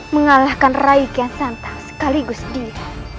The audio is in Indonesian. mengalahkan rai kian santan sekaligus dia